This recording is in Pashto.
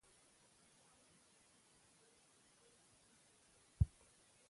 دا عوامل د فرد له کنټرول څخه وتلي دي.